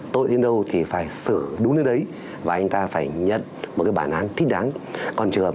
tội đến đâu thì phải xử đúng đến đấy và anh ta phải nhận một cái bản án thích đáng còn trường hợp